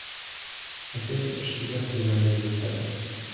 А ти ж як думаєш за себе?